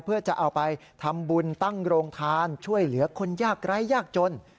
เพื่อจะเอาไปทำบุญตั้งโรงทานช่วยเหลือคนยากไร้ยากจน